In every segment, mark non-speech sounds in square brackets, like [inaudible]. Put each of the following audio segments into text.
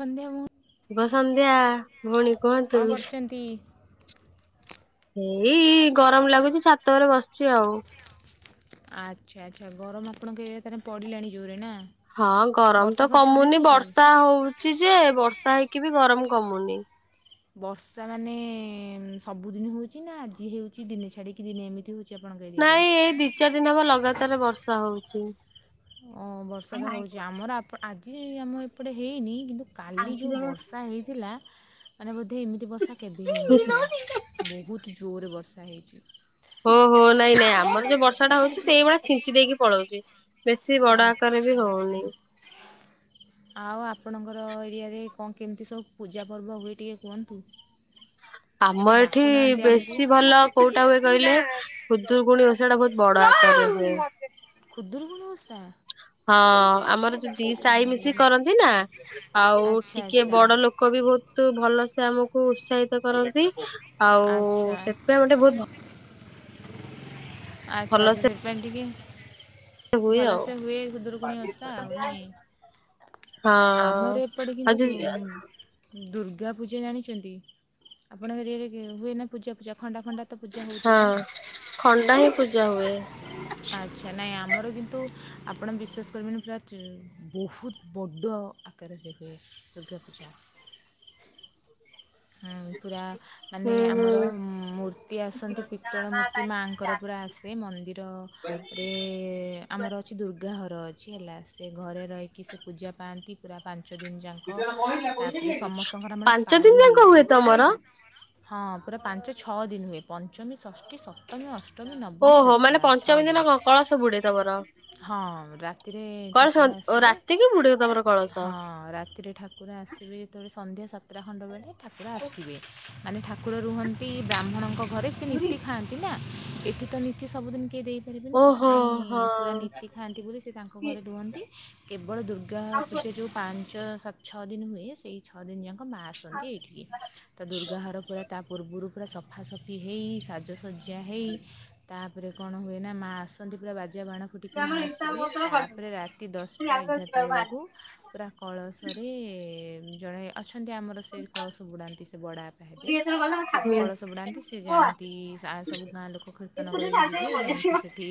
ସନ୍ଧ୍ୟା ମୁଁ ଶୁଭ ସନ୍ଧ୍ୟା ଭଉଣୀ କୁହନ୍ତୁ? ଦି ଏଇ ଗରମ ଲାଗୁଛି ଛାତ ଉରେ ବସିଛି ଆଉ। ଆଚ୍ଛା ଆଚ୍ଛା ଗରମ ଆପଣଙ୍କ ଏରିଆ ରେ ତାହଲେ ପଡ଼ିଲାଣି ଜୋରେ ନା? ହଁ ଗରମ ବର୍ଷା ତ ଫର୍ଷା କମୁନି ହେଉନି କି ବର୍ଷା ହଉଛି ଯେ ବର୍ଷା ହେଇକି ବି ଗରମ କମୁନି। ବର୍ଷା ମାନେ ସବୁଦିନ ହଉଛି ନା ଆଜି ହଉଛି ଦିନେ ଛାଡିକି ଦିନେ ଏମିତି ହଉଛି? ନାଇଁ ଏଇ ଦି ଚାରି ଦିନ ହବ ଲଗାତାର ବର୍ଷା ହଉଛି। ଓ ବର୍ଷା ତ ହଉଛି ଆମର ଆଜି ଆମ ଏପଟେ ହେଇନି କିନ୍ତୁ କାଲି ଯୋଉଁ ବର୍ଷା ହେଇଥିଲା ମାନେ ବୋଧେ ଏମିତି ବର୍ଷା କେବେ ହେଇନଥିଲା। ବହୁତ ଜୋରରେ ବର୍ଷା ହେଇଛି। ହୋ ହୋ ନାଇଁ ନାଇଁ ଆମର ଯୋଉ ବର୍ଷା ଟା ହଉଛି ସେଇଭଳିଆ ଛିଞ୍ଚି ଦେଇକି ପଳଉଛି। ବେଶୀ ବଡ ଆକାରରେ ବି ହଉନି। ହ ଆଉ ଆପଣଙ୍କର ଏରିଆରେ କଣ କେମିତି ସବୁ ପୂଜା ପର୍ବ ହୁଏ ଟିକିେ କୁହନ୍ତୁ। ଆମର କେବେ ଏଠି ଡାକୁନାହାନ୍ତି ଆମକୁ ବେଶୀ ଭଲ କୋଉଟା ହୁଏ କହିଲେ ଖୁଦୁୁରକୁୁଣି ଓଷା ଟା ବହୁତ ବଡ ଆକାର ରେ ହୁଏ। ଖୁଦୁରୁକୁଣି ଓଷା। ହଁ ଆମର ଦିସାହି ଆରେ ମିଶି କରନ୍ତି ନା ଆଉ ଆଚ୍ଛା ଟିକେ ଆଚ୍ଛା ବଡ ଲୋକ। ଲୋକ ବି ବହୁତ ଭଲସେ ଆମକୁ ଉତ୍ସାହିତ କରନ୍ତି ଆଉ ଆଚ୍ଛା ସେଥିପାଇଁ ଗୋଟେ ବହୁତ। ଆଚ୍ଛା ଆଚ୍ଛା ଭଲସେ ସେଥିପାଇଁ ଟିକେ ହୁଏ ଆଉ ଭଲସେ ହୁଏ ଖୁଦୂରୁକୁଣି ଅଷା ଆଉ ନାଇଁ। ହଁ। ଆମର ଏପଟେ ଆଉ କିନ୍ତୁ ଯ ଦୂର୍ ଦୁର୍ଗା ପୂଜା ଜାଣିଛନ୍ତି ଆପଣଙ୍କ ଏରିଆ ରେ ହୁଏ ନା ପୂଜା ପୂଜା ଖଣ୍ଡା ଫଣ୍ଡା ହଁ ଖଣ୍ଡା ହିଁ ପୂଜା ହୁଏ। ଆଚ୍ଛା ନାହିଁ ଆମର କିନ୍ତୁ ଆପଣ ବିଶ୍ୱାସ କରିବେନି ପୁରା ଯ ବହୁତ ବଡ଼ ଘରେ ହୁଏ ଦୁର୍ଗା ପୂଜା। ହଁ ପୁରା ମାନେ ହୁଁ ଆମର ହୁଁ। ମୂର୍ତ୍ତି ଆସନ୍ତି ପିତ୍ତଳ ମୂର୍ତ୍ତି ମାଆଙ୍କର ପୁରା ଆସେ ମନ୍ଦିର ଏ ଆମର ଅଛି ଦୁର୍ଗା ଘର ଅଛି ହେଲା ସେ ଘରେ ରହିକି ସେ ପୂଜା ପାଆନ୍ତି ପୁରା ପାଆନ୍ ପାଞ୍ଚଦିନ ଜା [unintelligible] ପାଞ୍ଚ ପାଳି ଦିନି ଯାଙ୍କ ହେଇଯାଏ ହୁଏ ତମର। ହଁ ପୁରା ପାଞ୍ଚ ଛଅ ଦିନ ହୁଏ ପଞ୍ଚମୀ ଷଷ୍ଠୀ ସପ୍ ଓହୋ ମାନେ ପଞ୍ଚମୀ ଦିନ କ କଳସ ବୁଡେ ତମର। ହଁ ରାତିରେ କଳସ ଠାକୁର ଓ ଆସିବେ ରାତିକି ବୁଡେ ତମର କଳସ ହଁ ରାତିରେ ଠାକୁର ଆସିବେ ଯେତେବେଳେ ସନ୍ଧ୍ୟା ସାତଟା ଖଣ୍ଡ ବେଳେ ଠାକୁର ଆସିବେ ମାନେ ଠାକୁର ରୁହନ୍ତି ବ୍ରାହ୍ମଣଙ୍କ ଘରେ। ସେ ନିତି ଖାଆନ୍ତି ନା ଏଠି ତ ନିତି ସବୁଦିନ କେହି ଦେଇପାରିବେନି ଓହୋ ସେଥିପାଇଁ ହଁ। ପୁରା ନୀତି ଖାଆନ୍ତି ବୋଲି ସେ ତାଙ୍କ ଘରେ ରୁହନ୍ତି କେବଳ ଦୁର୍ଗା ପୂଜା ଯେଉଁ ପାଞ୍ଚ ସାତ ଛଅ ଦିନ ହୁଏ ସେଇ ଛଅ ଦିନ ଯାକ ମାଆ ଆସନ୍ତି। ତ ଦୁର୍ଗା ଘର ପୁରା ତା ପୂର୍ବରୁ ପୁରା ସଫାସଫି ହେଇ ସାଜ ଶଯ୍ୟା ହେଇ ତା ପରେ କଣ ହୁଏ ନା ମା ଆସନ୍ତି ପୁରା ବାଜା ବାଣ ଏଠିକି ମା ଆସିବେ ତାପରେ ରାତି ଦଶଟା ଏଗାରଟା ବେଳକୁ ପୁରା କଳସରେ ଜଣେ ଅଛନ୍ତି ଆମର ସେ କଳସ ବୁଡ଼ାନ୍ତି ସେ ବଡ଼ପା ହେବେ ସେ କଳସ ବୁଡ଼ାନ୍ତି ସେ ଯାଆନ୍ତି ସବୁ ସା ହା ସବୁ ଗାଁ ଲୋକ। କୀର୍ତ୍ତନ କରିକି ଯିବେ ଯାଇକି ସେଠି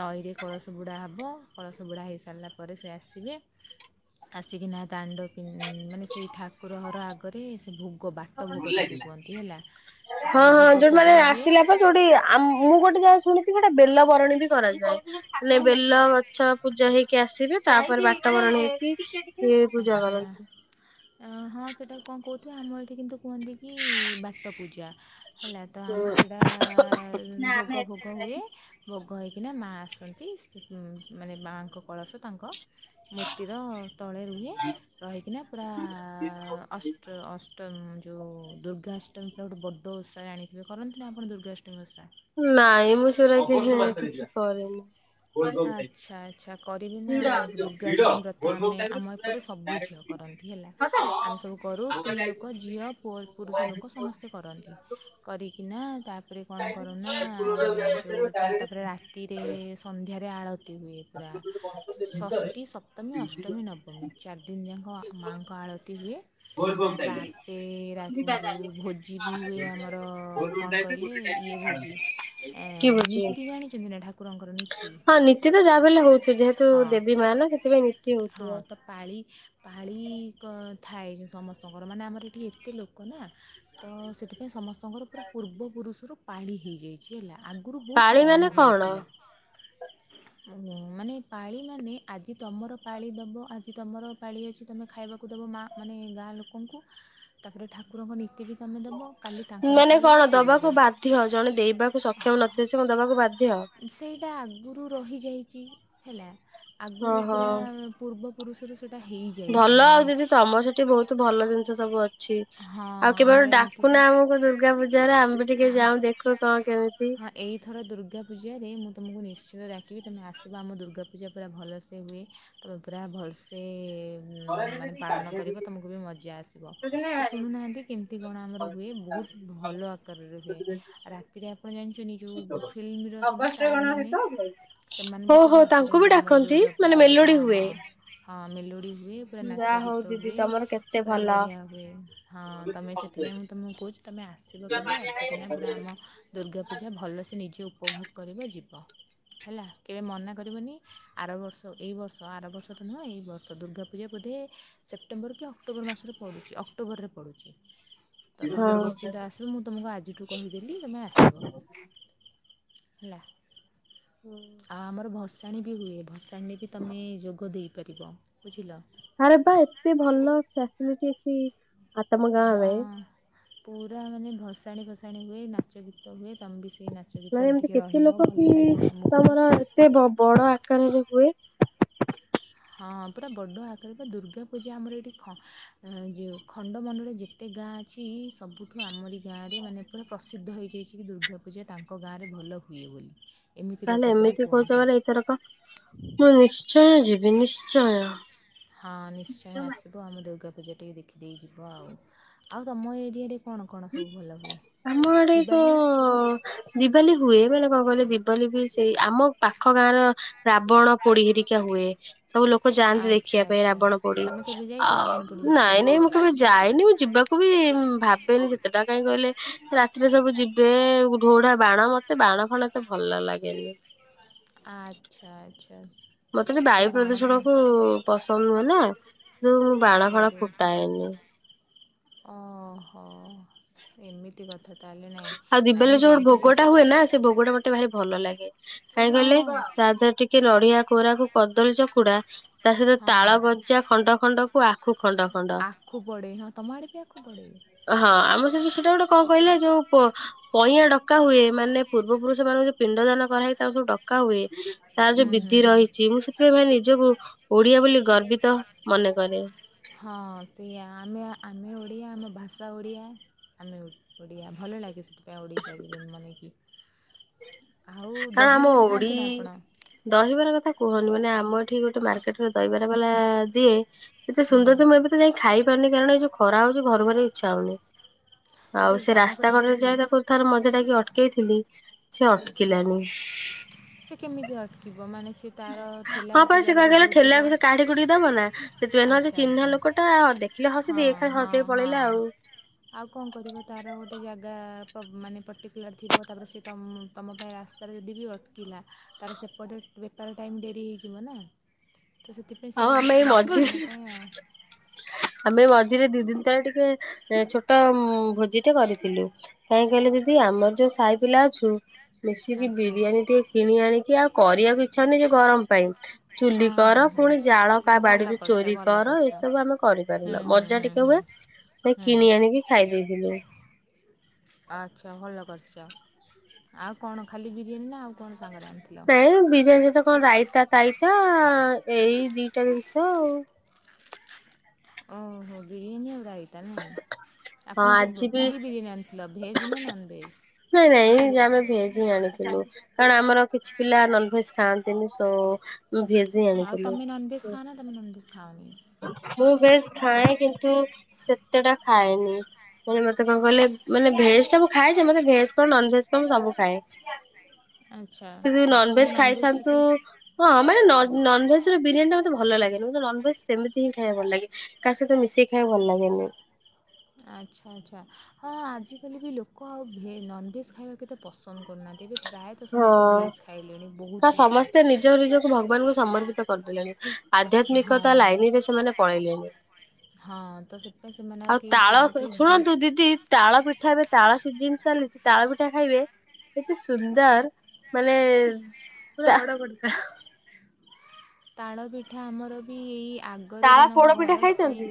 ନଈରେ କ ଳସ ବୁଡ଼ା ହେବ କଳସ ବୁଡ଼ା ହୋଇସାରିଲା ପରେ ସେ ଆସିବେ। ଆସିକି ନା ଦାଣ୍ଡ ପି ମାନେ ସେଇ ଠାକୁର ଘର ଆଗରେ ଭୋଗ ବାଟ ଭୋଗ ତାକୁ କୁହନ୍ତି ହେଲା ସେ ସବୁ ଭୋଗ ଫୋଗ ହୁଏ। ଆ ମୁଁ ଗୋଟେ ଯାହା ଶୁଣିଛି ଗୋଟେ ବେଲ ବରଣୀ ବି କରାଯାଏ ନେ ବେଲ ଛ ପୂଜା ହେଇକି ଆସିବେ ତାପରେ ବାଟବରଣୀ। ଆଚ୍ଛା। ହଁ ହଁ ସେଇଟା କଣ କହୁଥିବ ଆମ ଏଠି କିନ୍ତୁ କୁହନ୍ତି କି ବାଟ ପୂଜା। ହେଲା ତ ହୁଁ ଆମର ସେଟା। ଏ ଭୋଗ ଭୋଗ ହୁଏ ଭୋଗ ହେଇକିନା ମା ଆସନ୍ତି ମାନେ ମାଙ୍କ କଳସ ତାଙ୍କ ମୂର୍ତିର ତଳେ ରୁହେ ରହିକିନା ପୁରା ଅଷ୍ଟ ଅଷ୍ଟ୍ର ଯେଉ ଦୁର୍ଗାଷ୍ଟମୀ ସବୁଠୁ ବଡ଼ ଓଷା ଆଣିଥିବେ କରନ୍ତି ନା ଆପଣ ଦୁର୍ଗାଷ୍ଟମୀ ଓଷା? ନାଇଁ ମୁଁ ସେଇରା କିଛି କରେନି। ଆଚ୍ଛା ଆଚ୍ଛା କରିବି ନା ଆଉ ଦୁର୍ଗାଷ୍ଟମୀ ପ୍ରତ ଆମେ ଆମ ଏପଟେ ସବୁ ଝିଅ କରନ୍ତି ହେଲା ଆମେ ସବୁ କରୁ ସ୍ତ୍ରୀ ଲୋକ ଝିଅ ପୁରୁଷ ଲୋକ ସମସ୍ତେ। କରନ୍ତି କରିକିନା ତାପରେ କଣ କରୁନା ଯେଉହୋଚି ତାପରେ ରା ରାତିରେ ସନ୍ଧ୍ୟାରେ ଆଳତି ହୁଏ। ପୁରା ଷଷ୍ଟୀ ସପ୍ତମୀ ଅଷ୍ଟମୀ ନବମୀ ଚାରି ଦିନି ଯାକ ମାଆଙ୍କ ଆଳତି ହୁଏ। ତାପରେ ରା ଯେଉ ଭୋଜି ବି ହୁଏ ଆମର କଣ କହିଲେ ଇଏ ଭୋ କି ଭୋଜି। ନୀତି ଜାଣିଛନ୍ତି ନା ଠାକୁରଙ୍କର ନୀ ହଁ ନୀତି ବି ଯାହାବିହେଲେ ହଉଛି ଯେହେତୁ ଦେବୀ ମା ନା ସେଥିପାଇଁ ନୀତି ହଁ ହଉଥିବ। ତ ପାଳି ପାଳି ଥାଏ ସମସ୍ତଙ୍କର ମାନେ ଆମର ଏଠି ଏତେ ଲୋକ ନା। ତ ସେଥିପାଇଁ ସମସ୍ତଙ୍କର ପୁରା ପୂର୍ବପୁରୁଷରୁ ପାଳି ହେଇଯାଇଚି। ବୁଝି ହେଲା ଆଗରୁ ବହୁତ୍ ପାଳି ମାନେ କମ୍ ଘର କଣ? ଥିଲା। ମାନେ ପାଳି ମାନେ ଆଜି ତମର ପାଳି ଦବ ଆଜି ତମର ପାଳି ଅଛି ତମେ ଖାଇବ ଦେବ ମା ମାନେ ଗାଁ ଲୋକଙ୍କୁ ତାପରେ ଠାକୁରଙ୍କ ନୀତି ବି ତୁମେ ଦେବ କାଲି ତାଙ୍କର ମାନେ ପାଳି କଣ ସେ ଦେବେ ଦବାକୁ ବାଧ୍ୟ ଜଣେ ଦେଇବାକୁ ସକ୍ଷମ ନଥିଲେ ସେ କଣ ଦବାକୁ ବାଧ୍ୟ? ସେଇଟା ଆଗରୁ ରହିଯାଇଚି ହେଲା ଆଗରୁ ପୁରା ଓହୋ। ପୂର୍ବ ପୁରୁଷରୁ ସେଠି ଭଲ ଆଉ ଦିଦି ତମ ସେଠି ବହୁତ ଭଲ ଜିନିଷ ସବୁ ଅଛି। ଛି ହଁ ଆଉ ଆମର କେବଳ ଏମିତି ହୁଏ। ଡାକୁନା ଆମକୁ ଦୁର୍ଗା ପୂଜାାରେ ଆମେ ବି ଟିକେ ଯାଉ ଦେଖେ। କୋ ଗାଁ କେମିତି? ଏଥର ଦୁର୍ଗା ପୂଜାରେ ମୁଁ ତମକୁ ନିଶ୍ଚିତ ଡାକିବି ତମେ ଆସିବ ଆମ ଦୁର୍ଗାପୂଜା ପୁରା ଭଲସେ ହୁଏ। ତୁମେ ପୁରା ଭଲସେ ମାନେ ପାଳନ କରିବ ତୁମକୁ ବି ମଜା ଆସିବ। ତ ଶୁଣୁନାହାନ୍ତି କେମିତି କଣ ଆମର ହୁଏ ବହୁତ ଭଲ ଆକାରରେ ହୁଏ ରାତିରେ ଆପଣ ଜାଣିନ୍ତି ଯେଉଁ ଫିଲ୍ମର ସବୁ ଷ୍ଟାର୍ ମାନେ ସେମାନେ ବି ହଉ ସବୁ ହଉ ତାଙ୍କୁ ବି ଆସିଛନ୍ତି ଆମର ଡାକନ୍ତି ଦୁର୍ଗା ମାନେ ପୂଜା ହଁ ମେଲୋଡି ହୁଏ? ହଁ ହଁ ମେଲୋଡି ହୁଏ। ପୁରା ଯା ନାଚ ହଉ ଗୀତ ଦିଦି ହୁଏ ତମର କେତେ ପୁରା ଭଲ ବଢ଼ିଆ ହୁଏ ହଁ ତମେ ସେଥିପାଇଁ ମୁଁ ତୁମକୁ କହୁଚି ତୁମେ ଆ ଆସିବ କେବେ ଆସିକିନା ପୁରା ଆମ ଦୁର୍ଗାପୂଜା ଭଲସେ ନିଜେ ଉପଭୋଗ କରିବ ଯିବ। ହେଲା କେବେ ମନା କରିବନି ଆର ବର୍ଷ ଏଇ ବର୍ଷ ଆର ବର୍ଷ ତ ନୁହେଁ ଏଇ ବର୍ଷ ଦୁର୍ଗା ପୂଜା ବୋଧେ ସେପ୍ଟେମ୍ବର କି ଅକ୍ଟୋବର ମାସରେ ପଡ଼ୁଚି ଅକ୍ଟୋବରରେ ପଡ଼ୁଚି। ତମେ ହଁ। ନିଶ୍ଚିନ୍ତ ଆସିବ ମୁଁ ତମକୁ ଆଜିଠୁ କହିଦେଲି ତମେ ଆସ୍। ହେଲା। ହଁ। ଆଉ ଆମର ଭସାଣି ବି ହୁଏ ଭସାଣିରେ ବି ତମେ ଯୋଗ ଦେଇପାରିବ ବୁଝିଲ। ଆରେ ବା ଏତେ ଭଲ ଫ୍ୟା ସିଲିଟି ଅଛି। ଆଉ ତମ ଗାଁ ହଁ ରେ ପୁରା ମାନେ ଭସାଣିୀ ଫସାଣିୀ ହୁଏ ନାଚ ଗୀତ ହୁଏ ତମେବି ସେଇ ନାଚ ମାନେ ଗୀତରେ ଏମିତି ଟିକଏ ରହିବ ଭଲ ଲାଗିବ ଆମକୁ ବି। ସେ ବଡ ଆକାରରେ ହୁଏ। ହଁ ପୁରା ବଡ଼ ଆକାରରେ ବା ଦୁର୍ଗା ପୂଜା ଆମର ଏଇଠି ଯେ ଖଣ୍ଡ ମଣ୍ଡଳ ଯେତେ ଯେତେ ଗାଁ ଅଛି ସବୁଠୁ ଆମରି ଗାଁରେ ମାନେ ପୁରା ପ୍ରସିଦ୍ଧ ହେଇଯାଇଛି କି ଦୁର୍ଗା ପୂଜା ତାଙ୍କ ଗାଁରେ ଭଲ ହୁଏ। କିଏ ବୋଲି। ଏମିତି ତାହେଲେ ଲୋକ ସବୁ ଏମିତି କହୁଚ କୁହନ୍ତି ମାନେ ଏଇଥରକ ମୁଁ ନିଶ୍ଚୟ ଯିବି ନିଶ୍ଚୟ। ହଁ ନିଶ୍ଚୟ ଆସିବ ଆମ ଦୁର୍ଗା ପୂଜା ଟିକେ ଦେଖିଦେଇଯିବ ଆଉ ତମ ଏରିଆରେ କଣ କଣ ସବୁ ଭଲ ହୁଏ ଦିିବାଲି? ଦିବାଲି ହୁଏ ମେ କଣ କହିଲେ ଦିବାଲି ବି ସେଇ ଆମ ପାଖ ଗାଁ ର ରାବଣ ପୋଡି ହେରିକା ହୁଏ। ସବୁ ଲୋକ ଯାଆନ୍ତି ଆଚ୍ଛା ଦେଖିବା ପାଇଁ ଆଚ୍ଛା ରାବଣ ପୋଡି ତମେ କେବେ ଯାଇଛ ଆଉ ରାବଣ ପୋଡ଼ି ଦେଖିବା ନାଇଁ ପାଇଁ ନାଇଁ ମୁଁ କେବେ ଯାଏନି ମୁଁ ଯିବାକୁ ବି ଭାବେନି ସେତେଟା କାଇହିଁ କହିଲେ ରାତିରେ ସବୁ ଯିବେ ଢୋଢା ବାଣ ମତେ ବାଣ ଫାଣ ମୋତେ ଏତେ ଭଲ ଲାଗେନି। ଆଚ୍ଛା ଆଚ୍ଛା। ମତେ ବି ତାହେଲେ ବାୟୁ ବାଣ ପ୍ରଦୂଷଣ ଫାଣ କୁ ପସନ୍ଦ ନୁହେଁ ନା ଯଉ ମୁଁ ବାଣ ଫାଣ ଆରେରେ ଫୁଟାଏନି। ଓହୋ ଏମିତି କଥା ତାଳେ ନାଇଁ ଆଉ ଦିବାଲି ନାଇଁ ଯଉୋଟେ ଯାଇକି ଭୋଗଟା ଦେଖି ହୁଏ ନା ସେ ଭୋଗ ଟା ମତେ ଭାରି ଭଲ ଲାଗେ। କାହିଁ କହଲେ ହଁ ତା ଦେହରେ ଟିକେ ନଡ଼ିଆ କୋରାକୁ କଦଳୀ ଚକୁଡା ତା ସହିତ ହଁ ତାଳ ଗଜା ଖଣ୍ଡ ଖଣ୍ଡ କୁ ଆଖୁ ଖଣ୍ଡ ଖଣ୍ଡ ଆଖୁ ପଡେ ତୁମ ଆଡେ ବି ଆଖୁ ପଡେ? ହଁ ଆମ ସେହିତ ସେଇଟା ଗୋଟେ କଣ କହିଲା ଯୋଉ ପଇଁ ଡକା ହୁଏ ମାନେ ପୂର୍ବ ପୁରୁଷ ମାନଙ୍କୁ ଯୋଉ ପିଣ୍ଡ ଦାନ କରାହେଇଏ ତାର ସବୁ ଡକା ହୁଏ ତାର ଯୋଉ ହୁଁ ହୁଁ ବିଧି ହୁଁ ରହିଛି ମୁଁ ସେଥିପାଇଁ ଭାଇ ନିଜକୁ ଓଡିଆ ବୋଲି ଗର୍ବିତ ମନେକରେ। ହଁ ସେଇଆ ଆମେ ଆମେ ଓଡ଼ିଆ ଆମ ଭାଷା ଓଡ଼ିଆ ଆମେ ଓଡ଼ିଆ ଭଲ ଲାଗେ ସେଥିପାଇଁ ଓଡ଼ିଆ [inaudible] ଜନ୍ମ ନେଇଛି। କାରଣ ଆମ ଓଡି ଖାଆନ୍ତି ନା ଆପଣ ଦହିବାର କଥା କୁହନି ମାନେ ଆମ ଏଠି ଗୋଟେ ମାର୍କେଟରେ ଦହିବାର ବାଲା ଦିଏ ଏତେ ହୁଁ ସୁନ୍ଦର ତ ମୁଁ ଏବେ ତ ଯାଇ ଖାଇ ପାରୁନି କାରଣ ଏ ଯୋଉ ଖରା ହଉଛି ଘରୁ ବାହାରିବା ପାଇଁ ଇଛା ହଉନି। ଆଉ ଗୋଟେ ସେ କାମ ରାସ୍ତା କରିବା କଡରେ କି ଯାଇ ତାକୁ ଥର ମଜା ଟାକି ଅଟକେଇଥିଲି ସେ ଅଟ ଅଟକେଇଲାଣି। ସେ କେମିତି ଅଟକିବ ମାନେ ସେ ତା'ର ଠେଲା ହଁ ପା ଗୋଟେ ସେ ଜାଗାରେ କହିଦେଲା ଦେଉଥିବ ଠେଲା ଆକୁ ସେ କାଢି କୁଡିକି ଦବ ନା ସେଥିପାଇଁ ନହେଲେ ଆଚ୍ଛା ଚିହ୍ନା ଆଚ୍ଛା ଲୋକଟା ଅଧଖ ଖାଲି ହଁ ହସିଦିଏ ଏକା ହସ ହଁ ଦେଇେଇି ପଳେଇଲା ହଁ ଆଉ ଆଉ କଣ କରିବ ତାର ଗୋଟେ ଜାଗା ମାନେ ପର୍ଟିକୁଲାର ଥିବ ତାପରେ ସେ ତମ ତମ ପାଇଁ ରାସ୍ତାରେ ଯଦି ବି ଅଟ କିଲା ତାର ସେପଟେ ବେପାର ଟାଇମ୍ ଡେରି ହେଇଯିବ ନା। ତ ସେଥି ପାଇଁ ସେ ଆଉ ଆମେ ଏଇ ଅଟିକି ନଥିବ ମଝି ତମ ପାଇଁ ଆଉ। ଆମେ ମଝିରେ ଦି ଦିନ ତଳେ ଟିକେ ଛୋଟ ଭୋଜି ଟେ କରିଥିଲୁ। କାହିଁ କହିଲେ ଦିଦି ଆମର ଯୋଉ ସାହି ପିଲା ଅଛୁ ମିଶିକି ଆଚ୍ଛା ବିରିୟାନୀ ଟିକେ କିଣି ଆଣିକି ଆଉ କରିବାକୁ ଇଚ୍ଛା ନାହିଁ ଯେ ଗରମ ପାଇଁ ହଁ ଚୁଲି ହଁ କର ହଁ ପୁଣି ଜାଳ କାହା ଭଲ ବାଡିରୁ କରିଛ ଚୋରି ଭଲ କର କରିଛ ଏସବୁ ଆମେ ହୁଁ କରିପାରିଲ ହୁଁ ମଜା ହୁଁ ଟିକେ ହୁଁ ହୁଏ ସେ ହୁଁ କିଣି ଆଣିକି ଖାଇ ଦେଇଥିଲୁ। ଆଚ୍ଛା ଭଲ କରିଚ ଆଉ କଣ ଖାଲି ବିରିୟାନୀ ନା ଆଉ କଣ ସାଙ୍ଗରେ ଆଣିଥୁ ନାଇଁ ବିରିୟାନୀ ତ କଣ ରାଇତା ତାଇତା ଏଇ ଦିଟା ଜିନିଷ ଆଉ ଓହୋ ବିରିୟାନି ଆଉ ରାଇ। ତା ନାହିଁ ହଁ ଆପଣଙ୍କୁ ଆଜି ବି କି ବିରିୟାନୀ ଆଣିଥିଲ ଭେଜ୍ ନା ନନ୍ ଭେଜ୍? ନାଇଁ ନାଇଁ ଯେ ଆମେ ଭେଜ୍ ହିଁ ଆଣିଥିଲୁ। କାରଣ ଆମର କିଛି ପିଲା ନନ ଭେଜ ଖାଆନ୍ତିନି ସୋ ଭେଜ ହିଁ ଆଣିଥିଲୁ। [unintelligible] ତମେ ତମର ଖାଅନି। ମୁଁ ବେଶ ଖାଏ କିନ୍ତୁ ସେତେ ଟା ଖାଏନି। ମାନେ ମତେ କଣ କହଲେ ମାନେ ଭେଜ ଟାୁ ଖାଏ ଯେ ମତେ ଭେଜ୍ କଣ ନନ ଭେଜ କଣ ସବୁ ଖାଏ। ଆଚ୍ଛା ନନଭେଜ କିନ୍ତୁ ନନଭେଜ୍ ଖାଇଥାନ୍ତୁ ଟିକେ। ହଁ ମାନେ ନନ୍ଭେଜ ର ବିରିୟାନୀ ଟ ମତେ ଭଲ ଲାଗନି ମୋେ ନନଭେଜ ସେମିତି ହିଁ ଖାଇବା ଭଲ ଲାଗେ। କା ସହିତ ମିଶେଇି ଖାଇ ଭଲ ଲାଗେନି। ଆଚ୍ଛା ଆଚ୍ଛା ହଁ ଆଜିକାଲି ବି ଲୋକ ଆଉ ଭେ ନନ୍ଭେଜ୍ ଖାଇବାକୁ କେତେ ପସନ୍ଦ କରୁନାହାନ୍ତି ଏବେ। ପ୍ରାୟତଃ ସମସ୍ତେ ହଁ। ଭେଜ୍ ଖାଇଲେଣି ତ ବହୁତ ଲୋକ। ସମସ୍ତେ ନିଜ ନିଜକୁ ଭଗବାନଙ୍କୁ ସମର୍ପିତ କରିଦେଲେଣି ଆଧ୍ୟାତ୍ମିକତା ହଁ। ଲାଇନ ରେ ସେମାନେ ପଳେଇଲେଣି। ହଁ ତ ସେଥିପାଇଁ ସେମାନେ ଆଉ କି ତାଳ ଆଉ କେହି ବି ଶୁଣନ୍ତୁ ଦିଦି ତାଳ ପିଠା ଏବେ ତାଳ ସିଯିନ ଚାଲିଚି ତାଳ ପିଠା ଖାଇବେ ଏତେ ସୁନ୍ଦର। ମାନେ ଆର। ତାଳ ପିଠା ଆମର ବି ଏଇ ଆଗରେ ତାଳ ଜଣଙ୍କ ପୋଡ ପିଠା ଘର ସିଏ ଖାଇଛନ୍ତି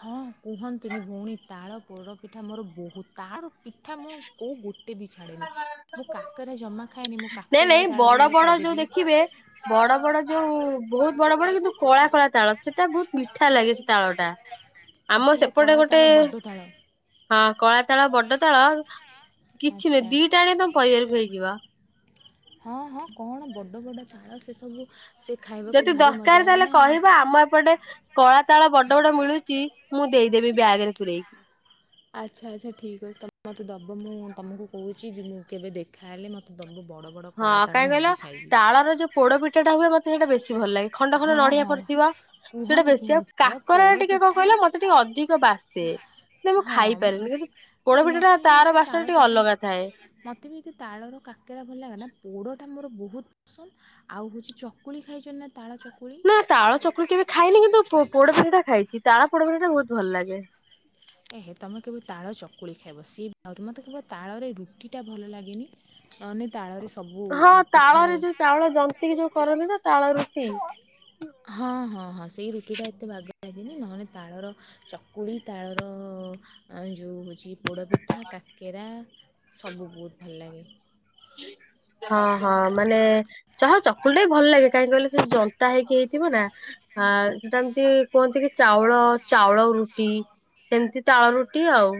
ହଁ। କୁହନ୍ତୁନି ଭଉଣୀ ତାଳ ପୋଡ଼ପିଠା ମୋର ବହୁତ ତାଳ ପିଠା ମୁଁ। କୋଉ ଗୋଟେ ବି ଛାଡ଼େନି ମୁଁ କା। କାକେରା ଜମା ଖାଏନି ମୁଁ ନାଇଁ କାକେରାରେ ବି ନାଇଁ ତାଳ ବଡ ରହିଲେ ବଡ ଯୋଉ ଖାଇଦେବି। ଦେଖିବେ ବଡ ବଡ ଯୋଉ ବହୁତ ବଡ ବଡ କିନ୍ତୁ କଳା କଳା ତାଳ ସେଟା ବହୁତ ମିଠା ଲାଗେ ସେ ତାଳ ଟା। ଆମ ଆଚ୍ଛା ଯୋଉ ସେପଟେ କଳା ଗୋଟେ ତାଳ ବଡ ତାଳ। ହଁ କଳା ତାଳ ବଡ ତାଳ କିଛି ନୁହେଁ ଆଚ୍ଛା ଦିଟା ଆଣେ ତମ ପରିବାରକୁ ହେଇଯିବ। ହଁ ହଁ କଣ ବଡ ବଡ ଚାଳ ସେ ସବୁ। ଯଦି ଦରକାର ତାହେଲେ କହିବା ଆମ ଏପଟେ। କଳା ତାଳ ବଡ ବଡ ମିଳୁଛି ମୁଁ ଦେଇଦେବି ବ୍ୟାଗ ରେ ପୂରେଇକି। ଆଚ୍ଛା ଆଚ୍ଛା ଠିକ୍ ଅଛି ତମେ ମୋତେ ଦବ ମୁଁ ତମକୁ କହୁଛି ଯେ ମୁଁ କେବେ ଦେଖାହେଲେ ମୋତେ। ସବୁ ବଡ଼ ବଡ଼ କଳା ତାଳ ମୁଁ ବି ଖାଇବି। ପୋଡପିଠା ଟା ହୁଏ ମତେ ସେଟ ବେଶୀ ଭଲ ଲାଗେ। ଖଣ୍ଡ ଖଣ୍ଡ ହଁ ନଡିଆ ହଁ ପଡିଥିବ ସେଇଟା କୁହନି ବେଶୀଆ କୁହନି ତାଳ କାକରା ପୋଡ଼ ଟିକେ କଣ ପିଠା କହିଲେ ମତେ। ସେ ଟିକେ ଅଧିକ ବାସେ। ନା ମୁଁ ହଁ ଖାଇପାରିନି କିନ୍ତୁ ନାଇଁ ପୋଡପିଠା ଟା ତାର ବାସନ ଟା ଟିକେ ଅଲଗାଥାଏ। ମତେ ବି ଏତେ ତାଳର କାକେରା ଭଲ ଲାଗେ ନା ପୋଡ଼। ଟା ମୋର ବହୁତ ପସନ୍ଦ ଆଉ ହେଉଛି ଚକୁଳି ଖାଇଛନ୍ତି ନା ତାଳ ଚକୁଳି। ନା ତାଳ ଚକୁଳି କେବେ ଖାଇନି କିନ୍ତୁ ପୋଡ ଫିଠା ଟା ଖାଇଛି ତାଳ ପୋଡ ପିଠା ଟା ବହୁତ ଭଲ ଲାଗେ। ଏ ତୁମେ କେବ ତାଳ ଚକୁଳି ଖାଇବ ସିଏ ଆହୁରି ମୋତେ କେବଳ ତାଳରେ ରୁଟିଟା ଭଲ ଲାଗେନି। ଅନେ ତାଳରେ ସବୁ ହଁ ପିଠା। ତାଳରେ ଯୋଉ ଚାଉଳ ଜ। ସେତିକି ଯୋଉ କରନ୍ତିି ତ ତାଳ ରୁଟି। ହଁ ହଁ ହଁ ସେଇ ରୁଟି ଟା ଏତେ ବାଗ ଲାଗେନି ନହେଲେ ତାଳର। ଚକୁଳି ତାଳର ଯୋଉ। ପୋଡ଼ପିଠା କାକରା ସବୁ ବହୁତ ଭଲ ଲାଗେ। ହଁ ହଁ ମାନେ ଚା ଚକୁଲଟା ବି ଭଲ ଲାଗେ କାହିଁକି କହିଲେ ସେ ଜନ୍ତା ହେଇକି ହେଇଥିବ ନା। ଆ ସେଟା ଏମିତି କୁହନ୍ତି କି ଚାଉଳ ଚାଉଳ ରୁଟି। ସେମିତି ତାଳ ରୁଟି ଆଉ।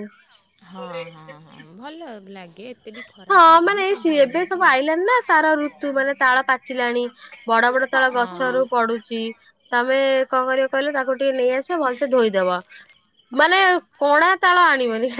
ହଁ ହଁ ହଁ ଭଲ ଲାଗେ ଏତେ ବି। ଖରାପ ହଁ ଲାଗେନି ମାନେ ସବୁ ଏଇ ଭଲ ଏବେ ଲାଗେ ସବୁ ଆଉ ଆଇଲାାନି ନା ତାର ଋତୁ ମାନେ ତାଳ ପାଚିଲାଣି। ବଡ ବଡ ତଳ ହଁ ଗଛରୁୁ ପଡୁଛି। ତମେ କଣ କର କହିଲ ତାକୁ ଟିକେ ନେଇଆସିବେ ଭଲସେ ଧୋଇଦବ। ମାନେ କୋଣା ତାଳ ଆଣିବନି।